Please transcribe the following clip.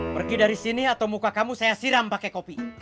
pergi dari sini atau muka kamu saya siram pakai kopi